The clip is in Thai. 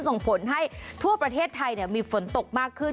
ส่งผลให้ทั่วประเทศไทยมีฝนตกมากขึ้น